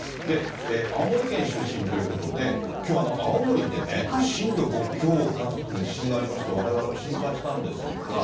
青森県出身ということで、きょう、青森でね、震度５強を観測する地震がありまして、われわれも心配したんですが。